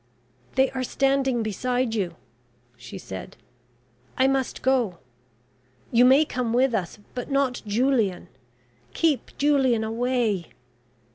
"They are standing beside you," she said. "I must go. You may come with us, but not Julian. Keep Julian away...